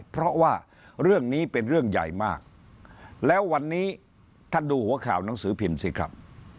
เพราะว่าเรื่องนี้เป็นเรื่องใหญ่มากแล้ววันนี้ท่านดูหัวข่าวหนังสือพิมพ์สิครับ